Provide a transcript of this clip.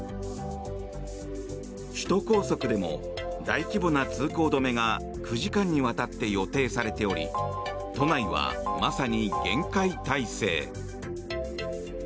首都高速でも大規模な通行止めが９時間にわたって予定されており都内は、まさに厳戒態勢。